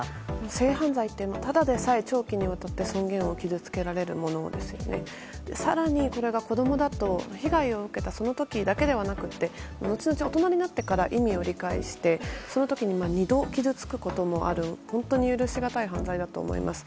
性犯罪って、ただでさえ長期にわたって尊厳を傷つけられるもので更に子供だと被害を受けたその時だけではなくて後々、大人になってから意味を理解してその時に２度、傷つくこともある本当に許しがたい犯罪だと思います。